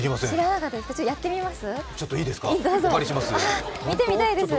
やってみます？